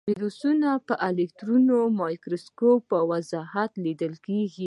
ویروسونه په الکترون مایکروسکوپ په وضاحت لیدلی شو.